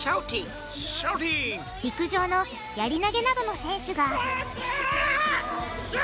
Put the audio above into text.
陸上のやり投げなどの選手がわっせ！